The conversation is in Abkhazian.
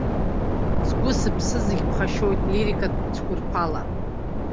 Сгәы сыԥсы зегьы ԥхашьоит лирикатә цәқәырԥала.